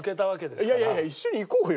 いやいやいやいや一緒に行こうよ。